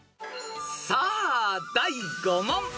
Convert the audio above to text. ［さあ第５問］